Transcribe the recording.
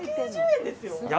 １９０円ですよ。